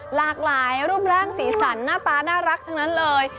หลากหลายรูปร่างสีสันหน้าตาน่ารักทั้งนั้นเลย